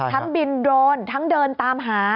ทั้งบินโดรนทั้งเดินตามหา